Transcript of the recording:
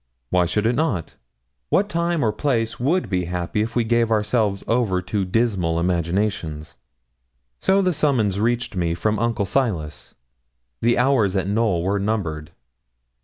Why should it not? What time or place would be happy if we gave ourselves over to dismal imaginations? So the summons reached me from Uncle Silas. The hours at Knowl were numbered.